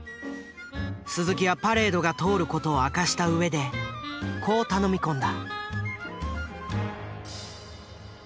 鈴木はパレードが通る事を明かした上でこう頼み込んだ。